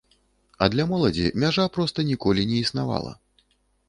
А для моладзі мяжа проста ніколі не існавала.